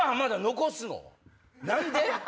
何で？